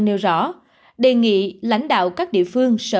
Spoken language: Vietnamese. trong đó sáu trăm linh tám ca thở ổn